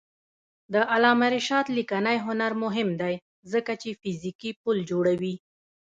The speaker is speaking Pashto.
د علامه رشاد لیکنی هنر مهم دی ځکه چې فرهنګي پل جوړوي.